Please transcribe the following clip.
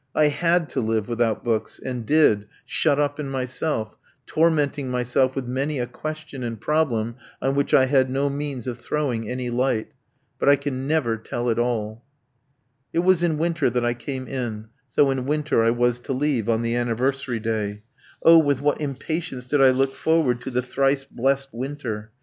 I had to live without books, and did, shut up in myself, tormenting myself with many a question and problem on which I had no means of throwing any light. But I can never tell it all. It was in winter that I came in, so in winter I was to leave, on the anniversary day. Oh, with what impatience did I look forward to the thrice blessed winter!